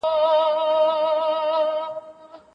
راتلونکي سياسي مشران به د کومو نويو ننګونو سره مخ وي؟